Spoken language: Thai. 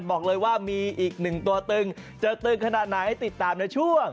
บอกเลยว่ามีอีกหนึ่งตัวตึงจะตึงขนาดไหนติดตามในช่วง